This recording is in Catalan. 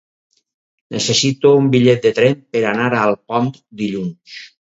Necessito un bitllet de tren per anar a Alpont dilluns.